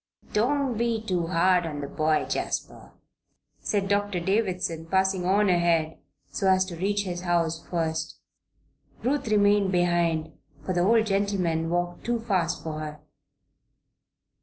"Don't be too hard on the boy, Jasper," said Doctor Davison, passing on ahead, so as to reach his house first. Ruth remained behind, for the old gentleman walked too fast for her.